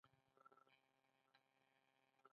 د زړه د بندیدو لپاره کوم شربت وڅښم؟